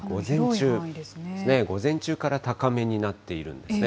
午前中から高めになっているんですね。